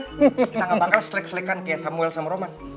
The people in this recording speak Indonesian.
kita gak bakal selek selekkan kayak samuel sama roman